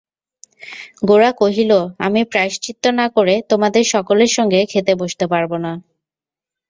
গোরা কহিল, আমি প্রায়শ্চিত্ত না করে তোমাদের সকলের সঙ্গে খেতে বসতে পারব না।